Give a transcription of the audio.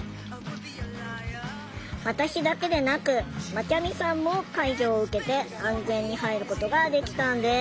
私だけでなくまちゃみさんも介助を受けて安全に入ることができたんです。